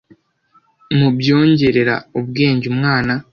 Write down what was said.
mu byongerera ubwenge umwana